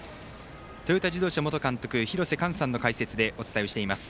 トヨタ自動車元監督廣瀬寛さんの解説でお伝えしています。